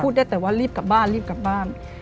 ได้แต่ว่ารีบกลับบ้านรีบกลับบ้าน